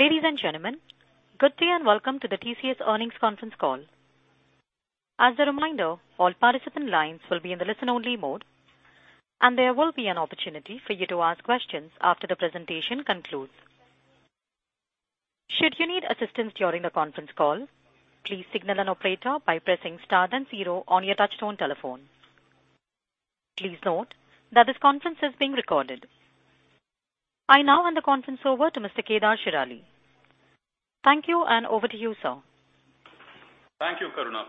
Ladies and gentlemen, good day and welcome to the TCS earnings conference call. As a reminder, all participant lines will be in the listen only mode, and there will be an opportunity for you to ask questions after the presentation concludes. Should you need assistance during the conference call, please signal an operator by pressing star then zero on your touchtone telephone. Please note that this conference is being recorded. I now hand the conference over to Mr. Kedar Shirali. Thank you, and over to you, sir. Thank you, Karuna.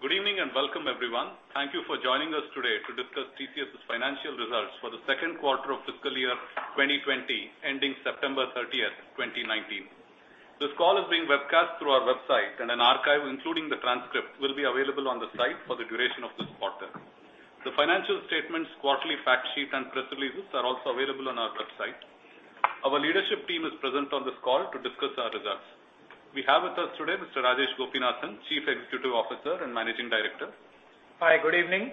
Good evening, and welcome everyone. Thank you for joining us today to discuss TCS's financial results for the second quarter of fiscal year 2020, ending September 30th, 2019. This call is being webcast through our website, and an archive, including the transcript, will be available on the site for the duration of this quarter. The financial statements, quarterly fact sheet, and press releases are also available on our website. Our leadership team is present on this call to discuss our results. We have with us today Mr. Rajesh Gopinathan, Chief Executive Officer and Managing Director. Hi. Good evening.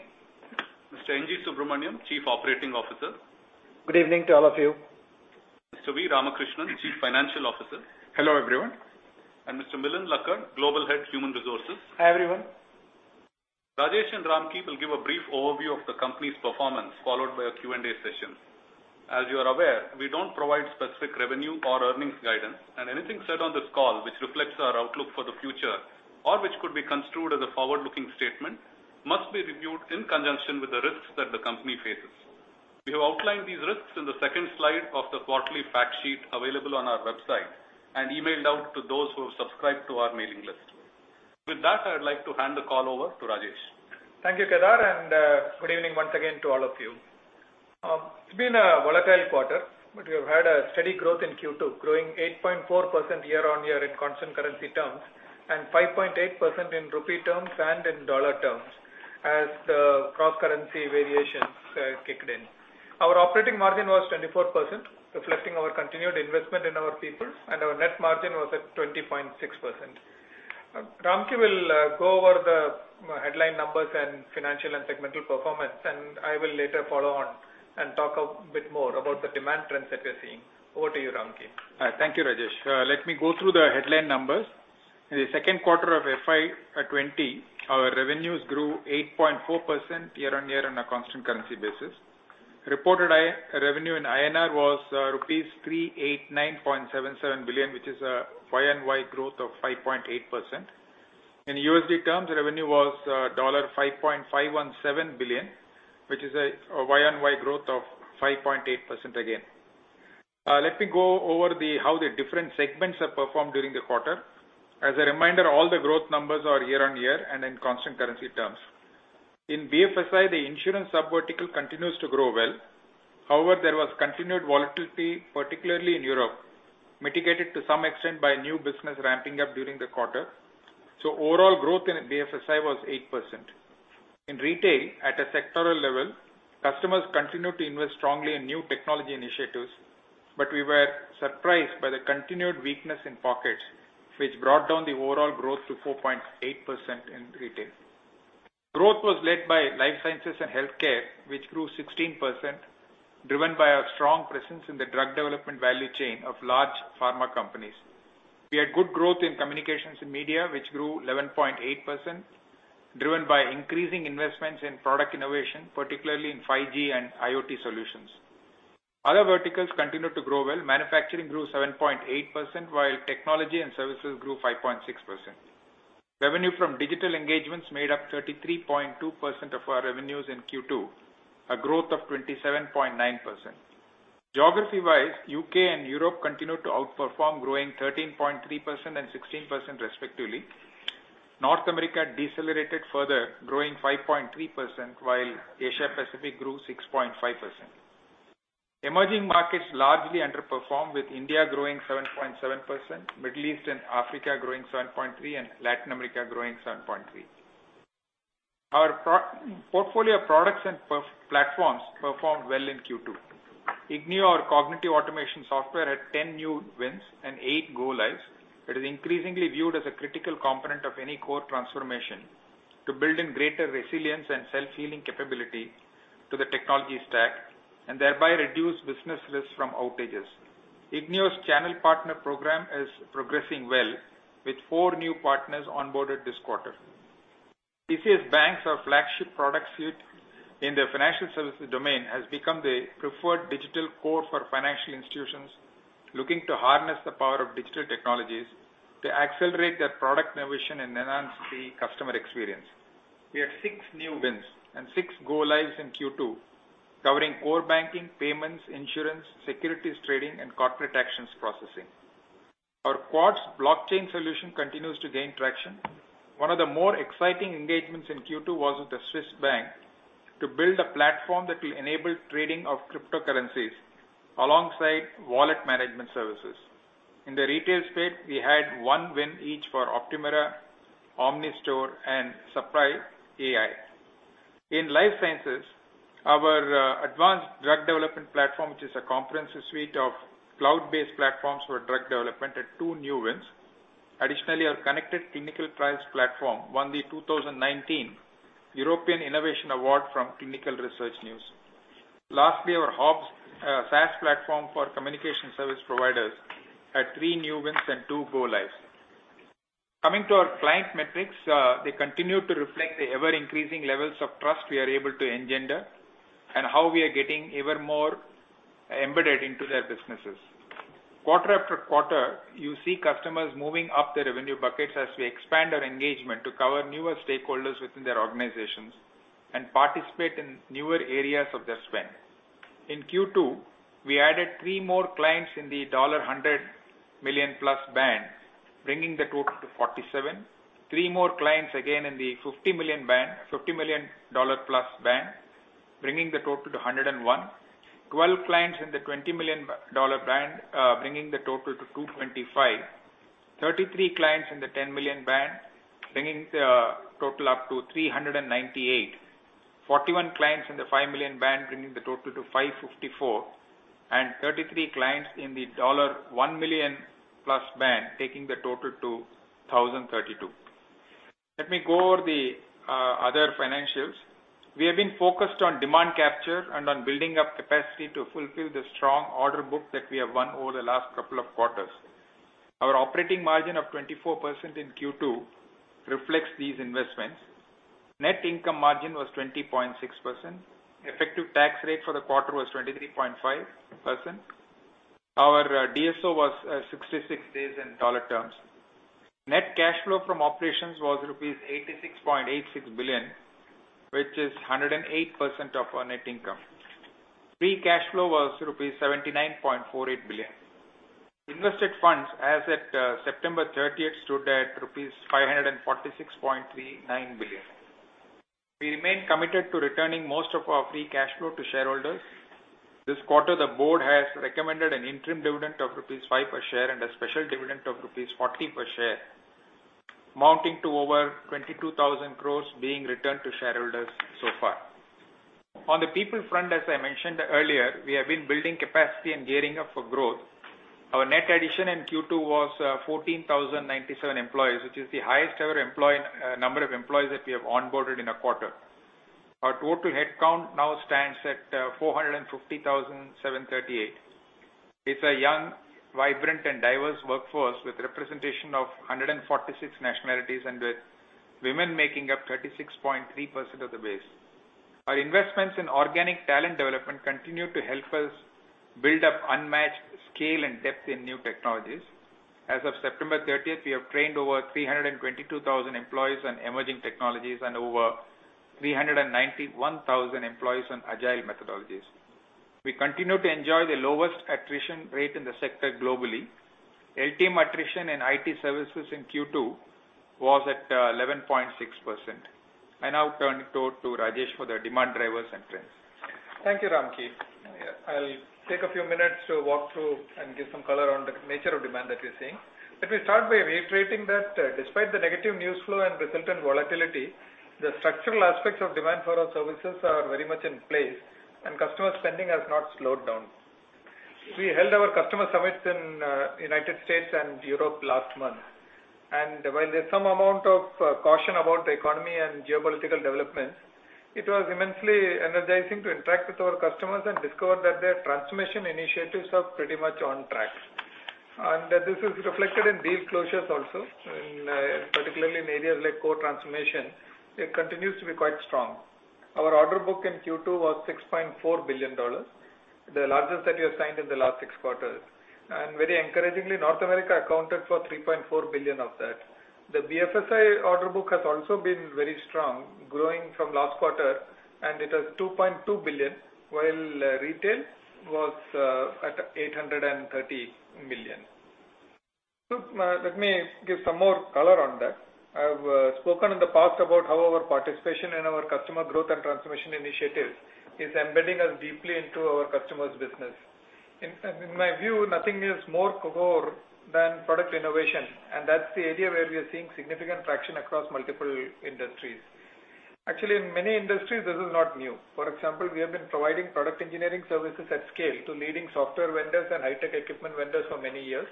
Mr. N. G. Subramaniam, Chief Operating Officer. Good evening to all of you. Mr. V. Ramakrishnan, Chief Financial Officer. Hello, everyone. Mr. Milind Lakkad, Global Head, Human Resources. Hi, everyone. Rajesh and Ramki will give a brief overview of the company's performance, followed by a Q&A session. As you are aware, we don't provide specific revenue or earnings guidance, and anything said on this call which reflects our outlook for the future or which could be construed as a forward-looking statement must be reviewed in conjunction with the risks that the company faces. We have outlined these risks in the second slide of the quarterly fact sheet available on our website and emailed out to those who have subscribed to our mailing list. With that, I would like to hand the call over to Rajesh. Thank you, Kedar, and good evening once again to all of you. It's been a volatile quarter, but we have had a steady growth in Q2, growing 8.4% year-on-year in constant currency terms, and 5.8% in INR terms and in USD terms as the cross-currency variations kicked in. Our operating margin was 24%, reflecting our continued investment in our people, and our net margin was at 20.6%. Ramki will go over the headline numbers and financial and segmental performance, and I will later follow on and talk a bit more about the demand trends that we're seeing. Over to you, Ramki. Thank you, Rajesh. Let me go through the headline numbers. In the second quarter of FY 2020, our revenues grew 8.4% year-over-year on a constant currency basis. Reported revenue in INR was rupees 389.77 billion, which is a year-over-year growth of 5.8%. In USD terms, revenue was $5.517 billion, which is a year-over-year growth of 5.8% again. Let me go over how the different segments have performed during the quarter. As a reminder, all the growth numbers are year-over-year and in constant currency terms. In BFSI, the insurance sub-vertical continues to grow well. However, there was continued volatility, particularly in Europe, mitigated to some extent by new business ramping up during the quarter. Overall growth in BFSI was 8%. In retail, at a sectoral level, customers continued to invest strongly in new technology initiatives, but we were surprised by the continued weakness in pockets, which brought down the overall growth to 4.8% in retail. Growth was led by life sciences and healthcare, which grew 16%, driven by our strong presence in the drug development value chain of large pharma companies. We had good growth in communications and media, which grew 11.8%, driven by increasing investments in product innovation, particularly in 5G and IoT solutions. Other verticals continued to grow well. Manufacturing grew 7.8%, while technology and services grew 5.6%. Revenue from digital engagements made up 33.2% of our revenues in Q2, a growth of 27.9%. Geography-wise, U.K. and Europe continued to outperform, growing 13.3% and 16% respectively. North America decelerated further, growing 5.3%, while Asia Pacific grew 6.5%. Emerging markets largely underperformed, with India growing 7.7%, Middle East and Africa growing 7.3%, and Latin America growing 7.3%. Our portfolio of products and platforms performed well in Q2. Ignio, our cognitive automation software, had 10 new wins and eight go-lives. It is increasingly viewed as a critical component of any core transformation to build in greater resilience and self-healing capability to the technology stack and thereby reduce business risk from outages. Ignio's channel partner program is progressing well with four new partners onboarded this quarter. TCS BaNCS, our flagship product suite in the financial services domain, has become the preferred digital core for financial institutions looking to harness the power of digital technologies to accelerate their product innovation and enhance the customer experience. We had 6 new wins and 6 go lives in Q2 covering core banking, payments, insurance, securities trading, and corporate actions processing. Our Quartz blockchain solution continues to gain traction. One of the more exciting engagements in Q2 was with a Swiss bank to build a platform that will enable trading of cryptocurrencies alongside wallet management services. In the retail space, we had 1 win each for Optumera, OmniStore, and [Sapry AI]. In life sciences, our Advanced Drug Development platform, which is a comprehensive suite of cloud-based platforms for drug development, had 2 new wins. Additionally, our Connected Clinical Trials platform won the 2019 European Innovations Award from Clinical Research News. Lastly, our HOBS SaaS platform for communication service providers had 3 new wins and 2 go lives. Coming to our client metrics, they continue to reflect the ever-increasing levels of trust we are able to engender and how we are getting even more embedded into their businesses. Quarter after quarter, you see customers moving up the revenue buckets as we expand our engagement to cover newer stakeholders within their organizations and participate in newer areas of their spend. In Q2, we added three more clients in the $100 million-plus band, bringing the total to 47. Three more clients again in the $50 million-plus band, bringing the total to 101. 12 clients in the $20 million band bringing the total to 225. 33 clients in the $10 million band, bringing the total up to 398. 41 clients in the $5 million band, bringing the total to 554, and 33 clients in the $1 million-plus band, taking the total to 1,032. Let me go over the other financials. We have been focused on demand capture and on building up capacity to fulfill the strong order book that we have won over the last couple of quarters. Our operating margin of 24% in Q2 reflects these investments. Net income margin was 20.6%. Effective tax rate for the quarter was 23.5%. Our DSO was 66 days in dollar terms. Net cash flow from operations was rupees 86.86 billion, which is 108% of our net income. Free cash flow was rupees 79.48 billion. Invested funds as at September 30th stood at rupees 546.39 billion. We remain committed to returning most of our free cash flow to shareholders. This quarter, the board has recommended an interim dividend of rupees 5 per share and a special dividend of rupees 40 per share, amounting to over 22,000 crores being returned to shareholders so far. On the people front, as I mentioned earlier, we have been building capacity and gearing up for growth. Our net addition in Q2 was 14,097 employees, which is the highest ever number of employees that we have onboarded in a quarter. Our total headcount now stands at 450,738. It's a young, vibrant, and diverse workforce with representation of 146 nationalities and with women making up 36.3% of the base. Our investments in organic talent development continue to help us build up unmatched scale and depth in new technologies. As of September 30th, we have trained over 322,000 employees on emerging technologies and over 391,000 employees on agile methodologies. We continue to enjoy the lowest attrition rate in the sector globally. LTM attrition in IT services in Q2 was at 11.6%. I now turn it over to Rajesh for the demand drivers and trends. Thank you, Ramki. I'll take a few minutes to walk through and give some color on the nature of demand that we're seeing. Let me start by reiterating that despite the negative news flow and resultant volatility, the structural aspects of demand for our services are very much in place, and customer spending has not slowed down. We held our customer summits in U.S. and Europe last month. While there's some amount of caution about the economy and geopolitical developments, it was immensely energizing to interact with our customers and discover that their transformation initiatives are pretty much on track. This is reflected in deal closures also, particularly in areas like core transformation, it continues to be quite strong. Our order book in Q2 was $6.4 billion, the largest that we have signed in the last six quarters. Very encouragingly, North America accounted for 3.4 billion of that. The BFSI order book has also been very strong, growing from last quarter, and it is 2.2 billion, while retail was at 830 million. Let me give some more color on that. I've spoken in the past about how our participation in our customer growth and transformation initiatives is embedding us deeply into our customers' business. In my view, nothing is more core than product innovation, and that's the area where we are seeing significant traction across multiple industries. Actually, in many industries, this is not new. For example, we have been providing product engineering services at scale to leading software vendors and high-tech equipment vendors for many years.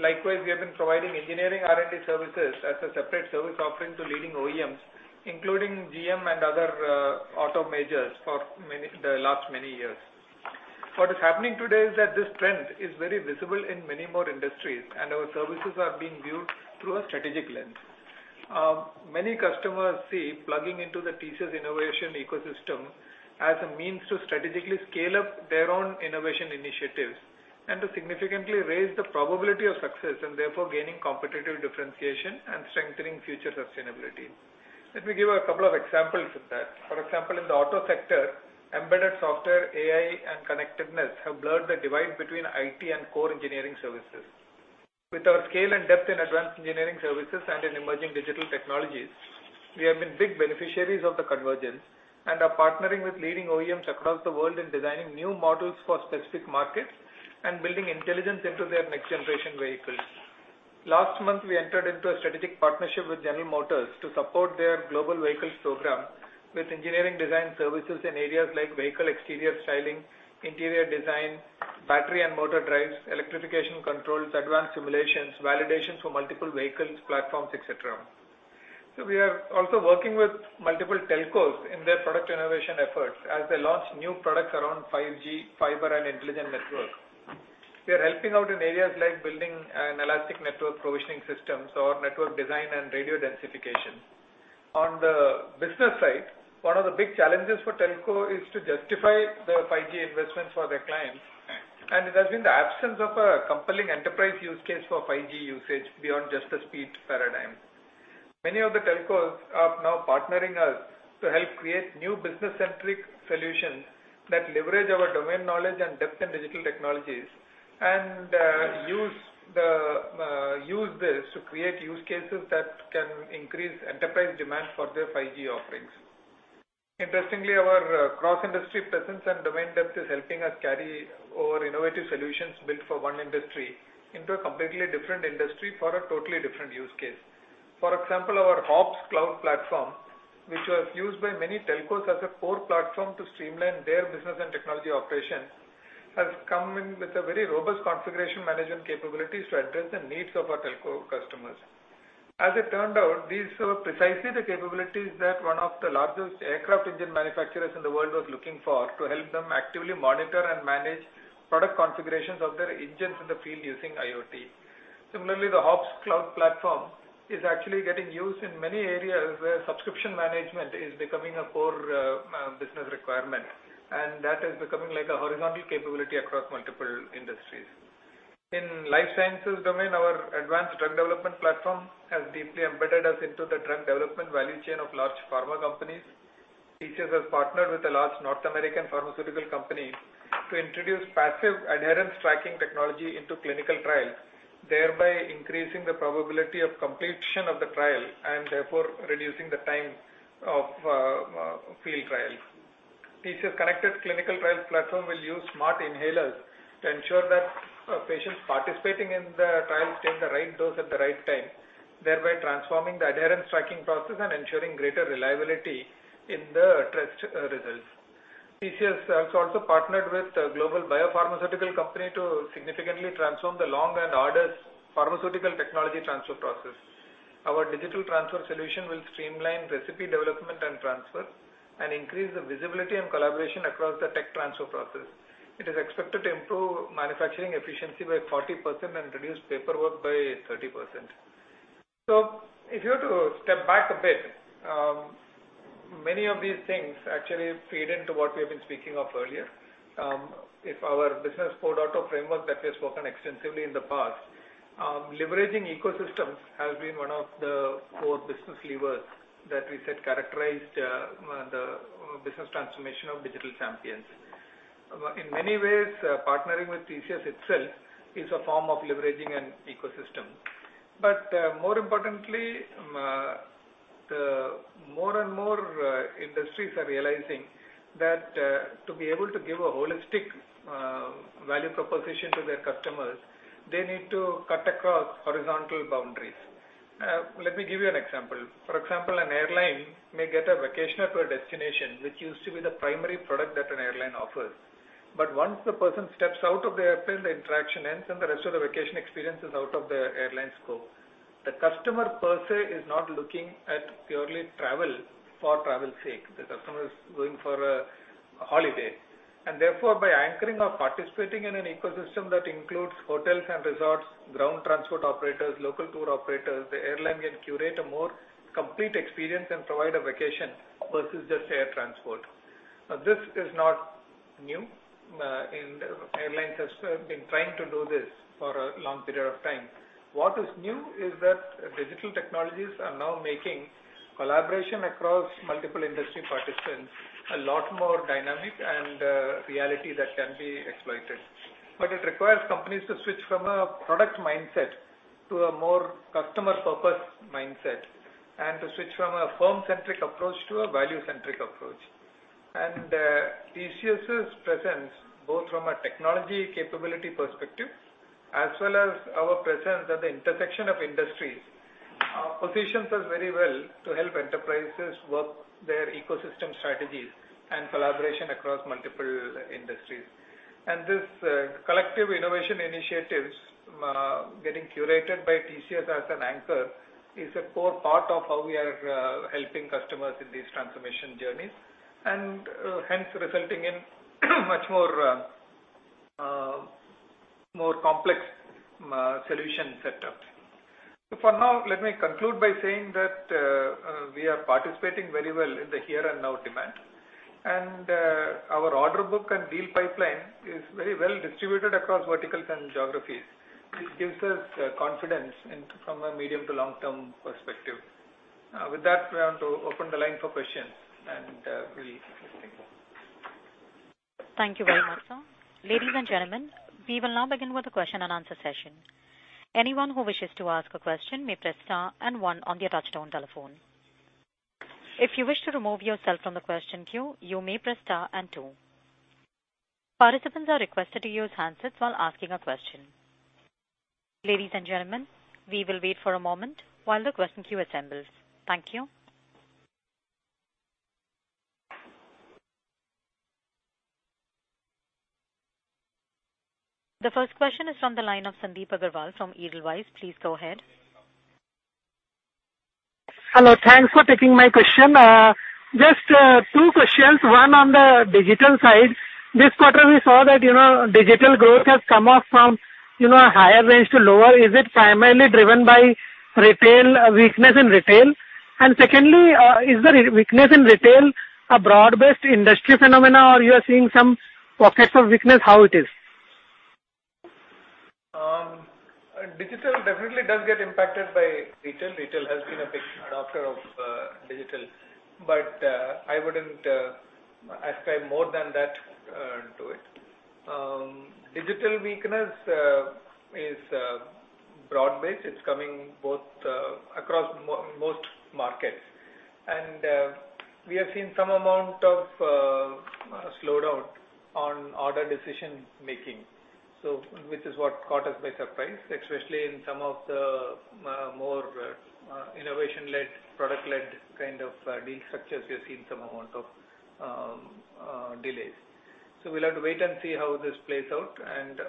Likewise, we have been providing engineering R&D services as a separate service offering to leading OEMs, including GM and other auto majors for the last many years. What is happening today is that this trend is very visible in many more industries, and our services are being viewed through a strategic lens. Many customers see plugging into the TCS innovation ecosystem as a means to strategically scale up their own innovation initiatives and to significantly raise the probability of success and therefore gaining competitive differentiation and strengthening future sustainability. Let me give a couple of examples of that. For example, in the auto sector, embedded software, AI, and connectedness have blurred the divide between IT and core engineering services. With our scale and depth in advanced engineering services and in emerging digital technologies, we have been big beneficiaries of the convergence and are partnering with leading OEMs across the world in designing new models for specific markets and building intelligence into their next-generation vehicles. Last month, we entered into a strategic partnership with General Motors to support their global vehicles program with engineering design services in areas like vehicle exterior styling, interior design, battery and motor drives, electrification controls, advanced simulations, validation for multiple vehicles, platforms, et cetera. We are also working with multiple telcos in their product innovation efforts as they launch new products around 5G, fiber, and intelligent networks. We are helping out in areas like building an elastic network provisioning systems or network design and radio densification. On the business side, one of the big challenges for telco is to justify the 5G investments for their clients, and it has been the absence of a compelling enterprise use case for 5G usage beyond just the speed paradigm. Many of the telcos are now partnering us to help create new business-centric solutions that leverage our domain knowledge and depth in digital technologies, and use this to create use cases that can increase enterprise demand for their 5G offerings. Interestingly, our cross-industry presence and domain depth is helping us carry our innovative solutions built for one industry into a completely different industry for a totally different use case. For example, our TCS HOBS cloud platform, which was used by many telcos as a core platform to streamline their business and technology operations, has come in with a very robust configuration management capabilities to address the needs of our telco customers. As it turned out, these were precisely the capabilities that one of the largest aircraft engine manufacturers in the world was looking for to help them actively monitor and manage product configurations of their engines in the field using IoT. Similarly, the TCS HOBS cloud platform is actually getting used in many areas where subscription management is becoming a core business requirement, and that is becoming like a horizontal capability across multiple industries. In life sciences domain, our Advanced Drug Development platform has deeply embedded us into the drug development value chain of large pharma companies. TCS has partnered with a large North American pharmaceutical company to introduce passive adherence tracking technology into clinical trials, thereby increasing the probability of completion of the trial and therefore reducing the time of field trials. TCS Connected Clinical Trials platform will use smart inhalers to ensure that patients participating in the trials take the right dose at the right time, thereby transforming the adherence tracking process and ensuring greater reliability in the trust results. TCS has also partnered with a global biopharmaceutical company to significantly transform the long and arduous pharmaceutical technology transfer process. Our Digital Transfer Solution will streamline recipe development and transfer and increase the visibility and collaboration across the tech transfer process. It is expected to improve manufacturing efficiency by 40% and reduce paperwork by 30%. If you were to step back a bit, many of these things actually feed into what we have been speaking of earlier. If our Business 4.0 framework that we've spoken extensively in the past, leveraging ecosystems has been one of the core business levers that we said characterized the business transformation of digital champions. In many ways, partnering with TCS itself is a form of leveraging an ecosystem. More importantly, more and more industries are realizing that to be able to give a holistic value proposition to their customers, they need to cut across horizontal boundaries. Let me give you an example. For example, an airline may get a vacationer to a destination, which used to be the primary product that an airline offers. Once the person steps out of the airplane, the interaction ends and the rest of the vacation experience is out of the airline's scope. The customer per se is not looking at purely travel for travel's sake. The customer is going for a holiday. Therefore, by anchoring or participating in an ecosystem that includes hotels and resorts, ground transport operators, local tour operators, the airline can curate a more complete experience and provide a vacation versus just air transport. This is not new. Airlines have been trying to do this for a long period of time. What is new is that digital technologies are now making collaboration across multiple industry participants a lot more dynamic and a reality that can be exploited. It requires companies to switch from a product mindset to a more customer-focused mindset, and to switch from a firm-centric approach to a value-centric approach. TCS' presence, both from a technology capability perspective as well as our presence at the intersection of industries, positions us very well to help enterprises work their ecosystem strategies and collaboration across multiple industries. This collective innovation initiatives getting curated by TCS as an anchor is a core part of how we are helping customers in these transformation journeys, and hence resulting in much more complex solution setups. For now, let me conclude by saying that we are participating very well in the here and now demand. Our order book and deal pipeline is very well distributed across verticals and geographies, which gives us confidence from a medium to long-term perspective. With that, we want to open the line for questions. Thank you very much, sir. Ladies and gentlemen, we will now begin with the question and answer session. Anyone who wishes to ask a question may press star and one on their touch-tone telephone. If you wish to remove yourself from the question queue, you may press star and two. Participants are requested to use handsets while asking a question. Ladies and gentlemen, we will wait for a moment while the question queue assembles. Thank you. The first question is from the line of Sandip Agarwal from Edelweiss. Please go ahead. Hello. Thanks for taking my question. Just two questions, one on the digital side. This quarter, we saw that digital growth has come off from higher range to lower. Is it primarily driven by weakness in retail? Secondly, is the weakness in retail a broad-based industry phenomenon, or you are seeing some pockets of weakness? How it is? Digital definitely does get impacted by retail. Retail has been a big adopter of digital, but I wouldn't ascribe more than that to it. Digital weakness is broad-based. It's coming across most markets. We have seen some amount of slowdown on order decision-making, which is what caught us by surprise, especially in some of the more innovation-led, product-led kind of deal structures, we have seen some amount of delays. We'll have to wait and see how this plays out.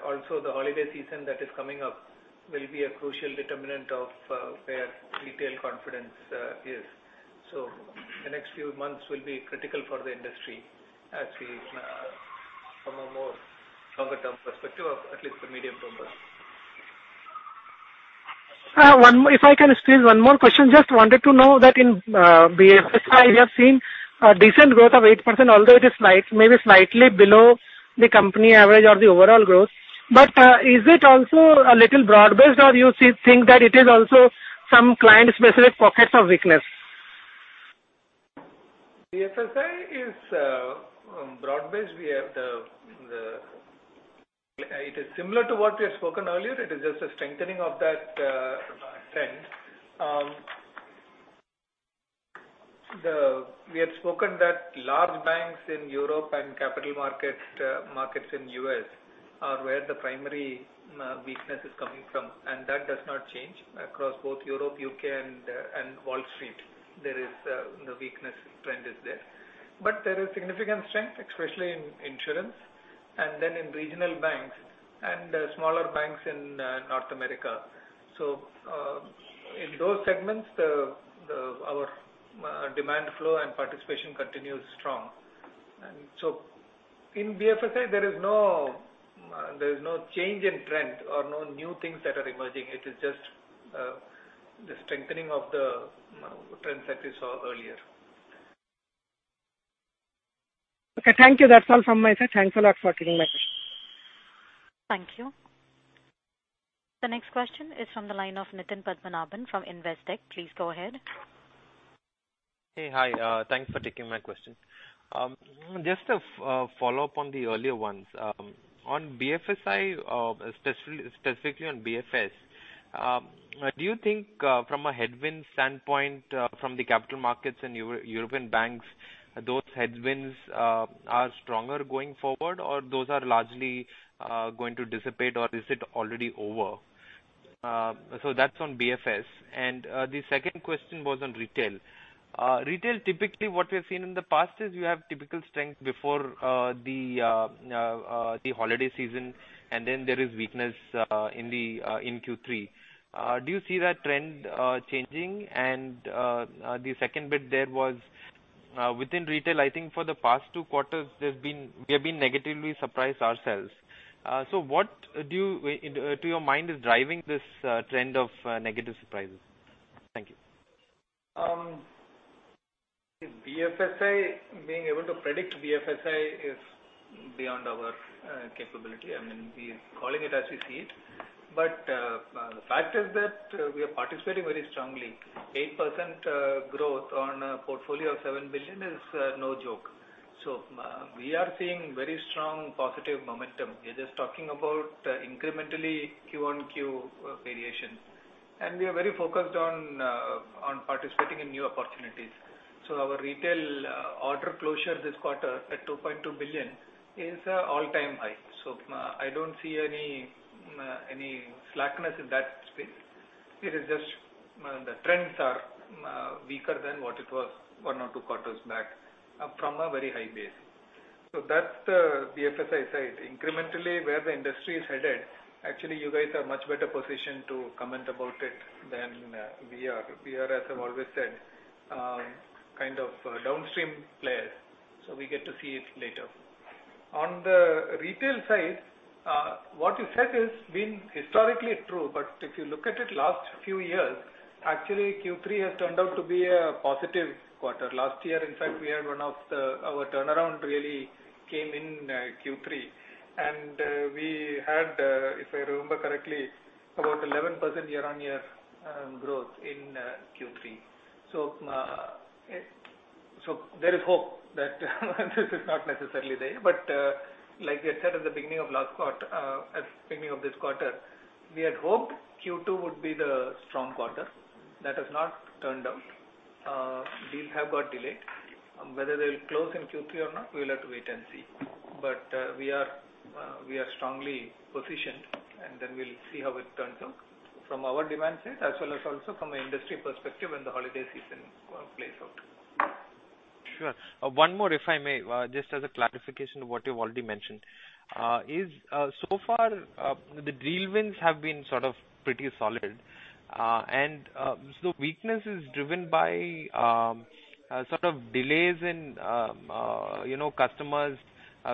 Also the holiday season that is coming up will be a crucial determinant of where retail confidence is. The next few months will be critical for the industry as we from a more longer-term perspective, or at least for medium-term growth. If I can squeeze one more question, just wanted to know that in BFSI, we have seen a decent growth of 8%, although it is maybe slightly below the company average or the overall growth. Is it also a little broad-based, or you think that it is also some client-specific pockets of weakness? BFSI is broad-based. It is similar to what we had spoken earlier. It is just a strengthening of that trend. We had spoken that large banks in Europe and capital markets in U.S. are where the primary weakness is coming from, and that does not change across both Europe, U.K., and Wall Street. The weakness trend is there. There is significant strength, especially in insurance and then in regional banks and smaller banks in North America. In those segments, our demand flow and participation continues strong. In BFSI, there is no change in trend or no new things that are emerging. It is just the strengthening of the trend that we saw earlier. Okay, thank you. That's all from my side. Thanks a lot for taking my question. Thank you. The next question is from the line of Nitin Padmanabhan from Investec. Please go ahead. Hey, hi. Thanks for taking my question. Just a follow-up on the earlier ones. On BFSI, specifically on BFS, do you think from a headwind standpoint from the capital markets and European banks, those headwinds are stronger going forward, or those are largely going to dissipate, or is it already over? That's on BFS. The second question was on retail. Retail, typically what we have seen in the past is you have typical strength before the holiday season, and then there is weakness in Q3. Do you see that trend changing? The second bit there was within retail, I think for the past two quarters, we have been negatively surprised ourselves. What, to your mind, is driving this trend of negative surprises? Thank you. Being able to predict BFSI is beyond our capability. We are calling it as we see it. The fact is that we are participating very strongly. 8% growth on a portfolio of $7 billion is no joke. We are seeing very strong positive momentum. We're just talking about incrementally Q1 Q variation. We are very focused on participating in new opportunities. Our retail order closure this quarter at $2.2 billion is all-time high. I don't see any slackness in that space. It is just the trends are weaker than what it was one or two quarters back from a very high base. That's the BFSI side. Incrementally, where the industry is headed, actually, you guys are much better positioned to comment about it than we are. We are, as I've always said, kind of downstream players. We get to see it later. On the retail side, what you said has been historically true, but if you look at it last few years, actually, Q3 has turned out to be a positive quarter. Last year, in fact, our turnaround really came in Q3. We had, if I remember correctly, about 11% year-on-year growth in Q3. There is hope that this is not necessarily there. Like we had said at the beginning of this quarter, we had hoped Q2 would be the strong quarter. That has not turned out. Deals have got delayed. Whether they'll close in Q3 or not, we will have to wait and see. We are strongly positioned, and then we'll see how it turns out from our demand side, as well as also from an industry perspective when the holiday season plays out. Sure. One more if I may, just as a clarification of what you've already mentioned. So far, the deal wins have been pretty solid. Weakness is driven by delays in customers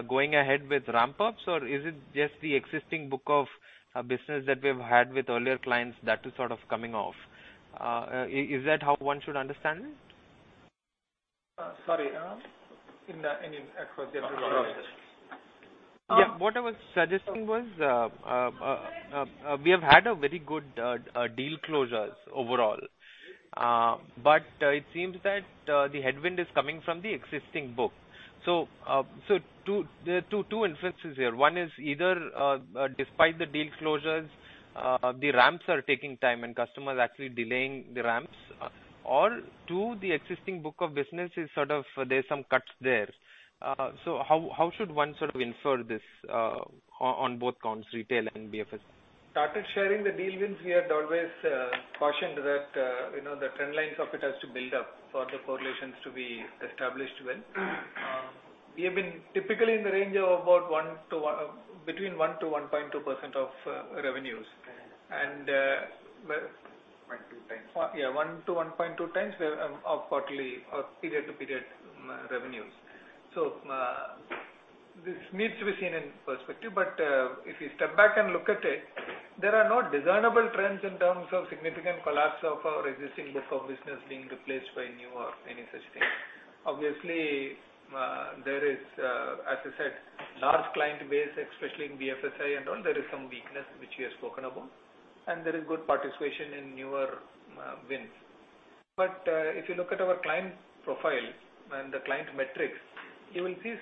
going ahead with ramp-ups, or is it just the existing book of business that we've had with earlier clients that is coming off? Is that how one should understand it? Sorry. In any across Yeah. What I was suggesting was, we have had a very good deal closures overall. It seems that the headwind is coming from the existing book. There are two inferences here. One is either despite the deal closures, the ramps are taking time and customers actually delaying the ramps. Two, the existing book of business, there's some cuts there. How should one infer this on both counts, retail and BFS? Started sharing the deal wins, we had always cautioned that the trend lines of it has to build up for the correlations to be established well. We have been typically in the range of between 1% to 1.2% of revenues. 1.2 times. Yeah, one to 1.2 times of quarterly or period-to-period revenues. This needs to be seen in perspective. If you step back and look at it, there are no discernible trends in terms of significant collapse of our existing book of business being replaced by new or any such thing. Obviously, there is, as I said, large client base, especially in BFSI and all, there is some weakness which we have spoken about. There is good participation in newer wins. If you look at our client profile and the client metrics, you will see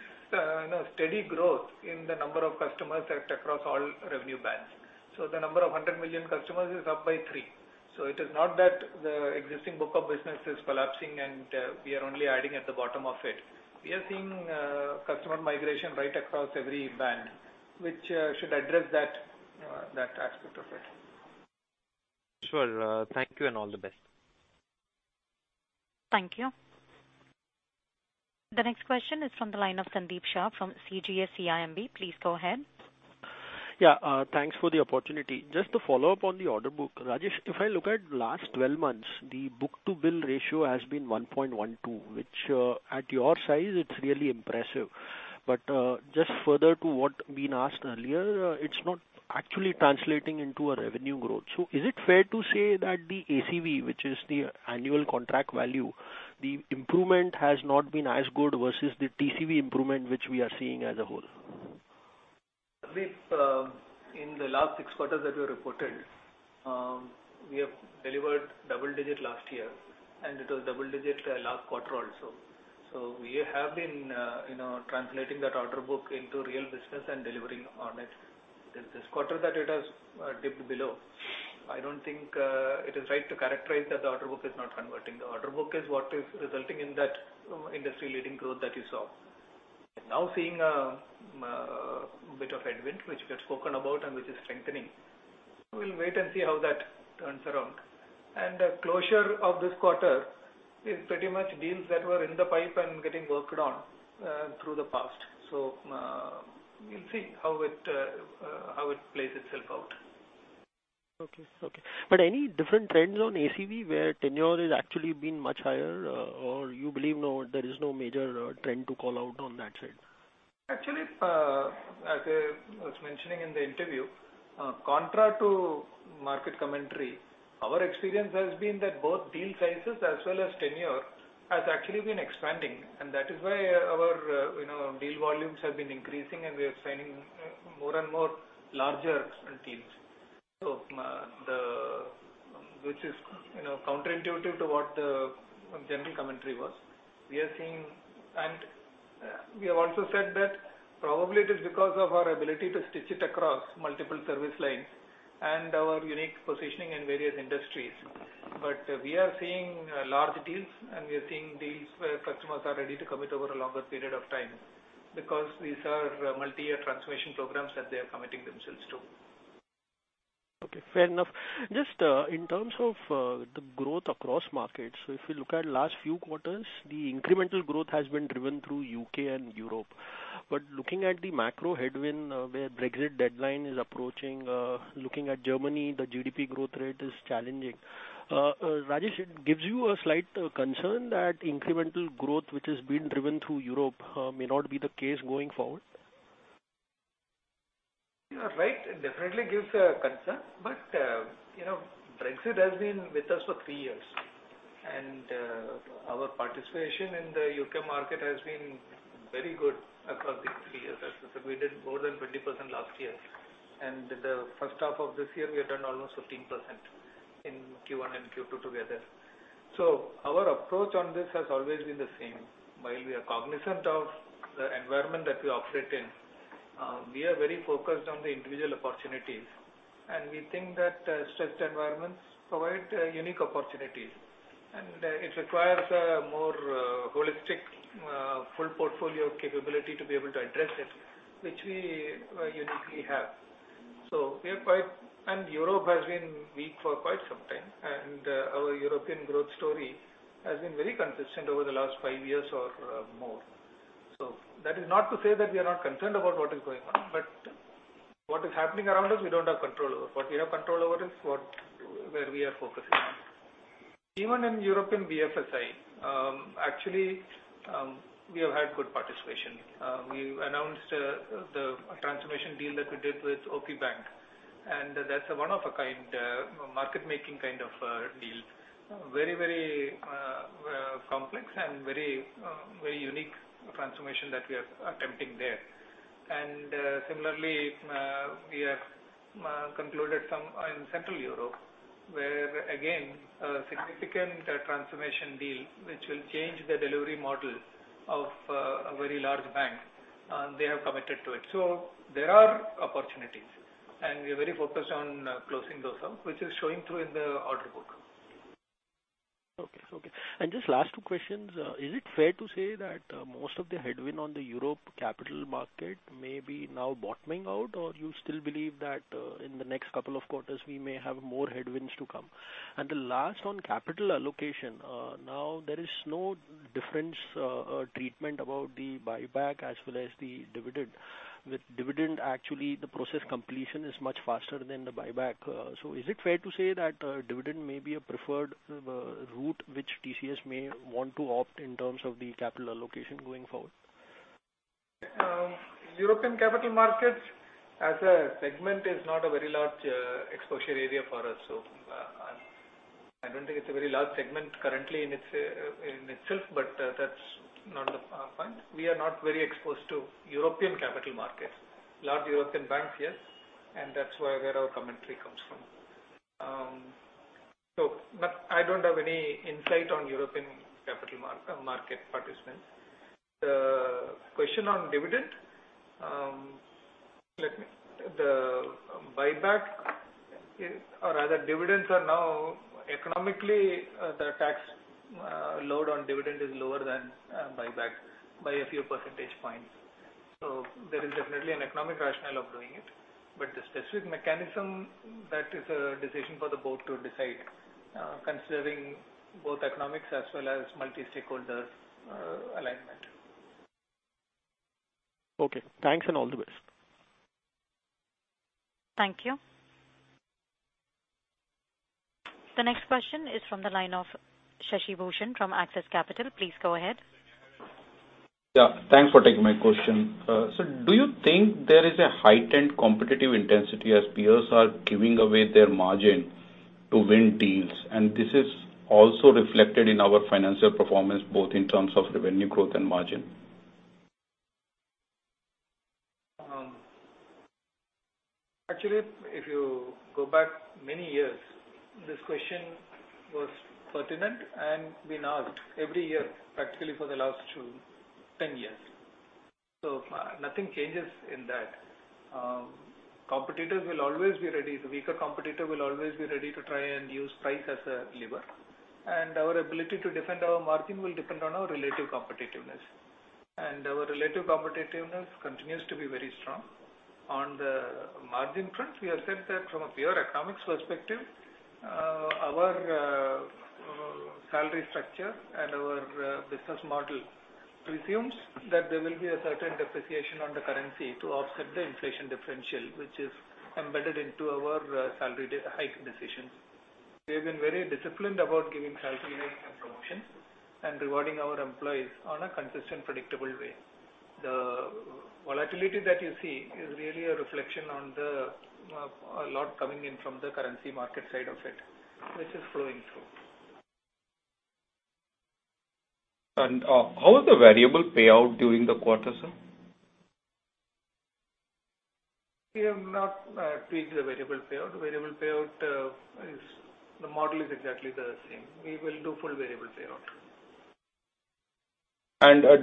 steady growth in the number of customers across all revenue bands. The number of 100 million customers is up by three. It is not that the existing book of business is collapsing and we are only adding at the bottom of it. We are seeing customer migration right across every band, which should address that aspect of it. Sure. Thank you and all the best. Thank you. The next question is from the line of Sandeep Shah from CGS-CIMB. Please go ahead. Yeah. Thanks for the opportunity. Just to follow up on the order book. Rajesh, if I look at last 12 months, the book-to-bill ratio has been 1.12, which at your size, it's really impressive. Just further to what been asked earlier, it's not actually translating into a revenue growth. Is it fair to say that the ACV, which is the annual contract value, the improvement has not been as good versus the TCV improvement, which we are seeing as a whole? Sandeep, in the last six quarters that we reported, we have delivered double digit last year. It was double digit last quarter also. We have been translating that order book into real business and delivering on it. It is this quarter that it has dipped below. I don't think it is right to characterize that the order book is not converting. The order book is what is resulting in that industry-leading growth that you saw. We're now seeing a bit of headwind, which we had spoken about and which is strengthening. We'll wait and see how that turns around. Closure of this quarter is pretty much deals that were in the pipe and getting worked on through the past. We'll see how it plays itself out. Okay. Any different trends on ACV where tenure is actually been much higher or you believe there is no major trend to call out on that side? Actually, as I was mentioning in the interview, contra to market commentary, our experience has been that both deal sizes as well as tenure has actually been expanding. That is why our deal volumes have been increasing and we are signing more and more larger deals. Which is counterintuitive to what the general commentary was. We have also said that probably it is because of our ability to stitch it across multiple service lines and our unique positioning in various industries. We are seeing large deals and we are seeing deals where customers are ready to commit over a longer period of time because these are multi-year transformation programs that they're committing themselves to. Okay. Fair enough. Just in terms of the growth across markets, if you look at last few quarters, the incremental growth has been driven through U.K. and Europe. Looking at the macro headwind where Brexit deadline is approaching, looking at Germany, the GDP growth rate is challenging. Rajesh, it gives you a slight concern that incremental growth which is being driven through Europe may not be the case going forward? You are right. It definitely gives a concern. Brexit has been with us for 3 years. Our participation in the U.K. market has been very good across these 3 years. As I said, we did more than 20% last year. The first half of this year, we have done almost 15% in Q1 and Q2 together. Our approach on this has always been the same. While we are cognizant of the environment that we operate in, we are very focused on the individual opportunities. We think that stressed environments provide unique opportunities. It requires a more holistic full portfolio capability to be able to address it, which we uniquely have. Europe has been weak for quite some time, and our European growth story has been very consistent over the last 5 years or more. That is not to say that we are not concerned about what is going on, but what is happening around us, we don't have control over. What we have control over is where we are focusing on. Even in European BFSI, actually, we have had good participation. We announced the transformation deal that we did with OP Bank, and that's a one-of-a-kind, market-making kind of a deal. Very complex and very unique transformation that we are attempting there. Similarly, we have concluded some in Central Europe where, again, a significant transformation deal, which will change the delivery model of a very large bank, and they have committed to it. There are opportunities, and we are very focused on closing those up, which is showing through in the order book. Okay. Just last two questions. Is it fair to say that most of the headwind on the Europe capital market may be now bottoming out? Or you still believe that in the next couple of quarters, we may have more headwinds to come? The last on capital allocation. Now, there is no different treatment about the buyback as well as the dividend. With dividend, actually, the process completion is much faster than the buyback. Is it fair to say that dividend may be a preferred route which TCS may want to opt in terms of the capital allocation going forward? European capital markets as a segment is not a very large exposure area for us. I don't think it's a very large segment currently in itself, but that's not our point. We are not very exposed to European capital markets. Large European banks, yes, and that's where our commentary comes from. I don't have any insight on European capital market participants. The question on dividend. The buyback or rather, dividends are now economically, the tax load on dividend is lower than buyback by a few percentage points. There is definitely an economic rationale of doing it. The specific mechanism, that is a decision for the board to decide considering both economics as well as multi-stakeholder alignment. Okay. Thanks and all the best. Thank you. The next question is from the line of Shashi Bhushan from Axis Capital. Please go ahead. Yeah, thanks for taking my question. Sir, do you think there is a heightened competitive intensity as peers are giving away their margin to win deals, and this is also reflected in our financial performance, both in terms of revenue growth and margin? Actually, if you go back many years, this question was pertinent and been asked every year, practically for the last 10 years. Nothing changes in that. Competitors will always be ready. The weaker competitor will always be ready to try and use price as a lever. Our ability to defend our margin will depend on our relative competitiveness. Our relative competitiveness continues to be very strong. On the margin front, we have said that from a pure economics perspective, our salary structure and our business model presumes that there will be a certain depreciation on the currency to offset the inflation differential, which is embedded into our salary hike decisions. We have been very disciplined about giving salary hikes and promotions and rewarding our employees on a consistent, predictable way. The volatility that you see is really a reflection on the lot coming in from the currency market side of it, which is flowing through. How is the variable payout during the quarter, sir? We have not tweaked the variable payout. Variable payout, the model is exactly the same. We will do full variable payout.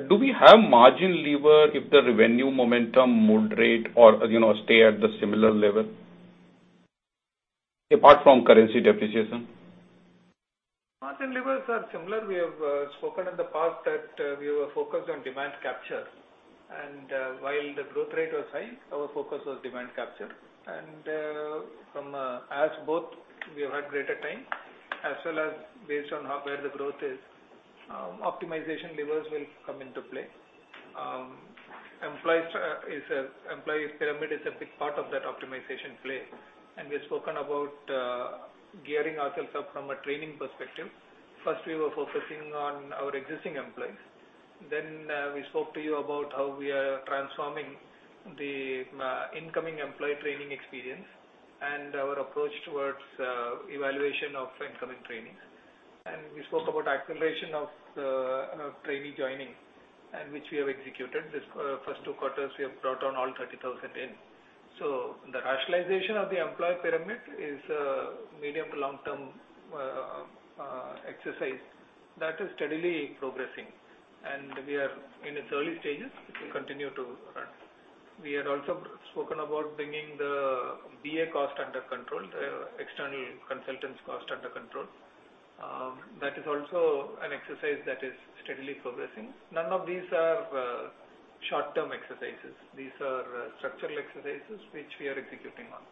Do we have margin lever if the revenue momentum would abate or stay at the similar level, apart from currency depreciation? Margin levers are similar. We have spoken in the past that we were focused on demand capture. While the growth rate was high, our focus was demand capture. As both, we have had greater time, as well as based on where the growth is, optimization levers will come into play. Employee pyramid is a big part of that optimization play. We've spoken about gearing ourselves up from a training perspective. First, we were focusing on our existing employees. We spoke to you about how we are transforming the incoming employee training experience and our approach towards evaluation of incoming training. We spoke about acceleration of trainee joining, and which we have executed. These first two quarters, we have brought on all 30,000 in. The rationalization of the employee pyramid is a medium to long-term exercise that is steadily progressing, and we are in its early stages, which will continue to run. We had also spoken about bringing the BA cost under control, the external consultants cost under control. That is also an exercise that is steadily progressing. None of these are short-term exercises. These are structural exercises which we are executing on.